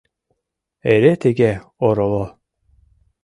Эре тыге ороло!